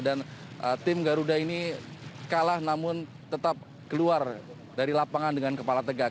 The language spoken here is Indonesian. dan tim garuda ini kalah namun tetap keluar dari lapangan dengan kepala tegak